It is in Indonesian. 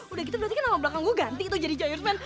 udah gitu berarti kan nama belakang gue ganti tuh jadi jayus man